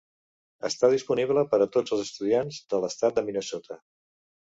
Està disponible per a tots els estudiants de l'estat de Minnesota.